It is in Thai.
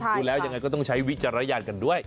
ดูแล้วยังไงก็ต้องใช้วิจารณญาณกันด้วย